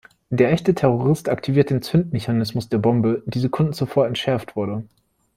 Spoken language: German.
Der echte Terrorist aktiviert den Zündmechanismus der Bombe, die Sekunden zuvor entschärft wurde.